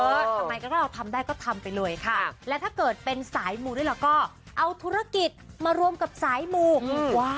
หมายถึงถ้าเราทำได้ก็ทำไปเลยค่ะค่ะแล้วถ้าเกิดเป็นสายหมูด้วยแล้วก็เอาธุรกิจมารวมกับสายหมูอืม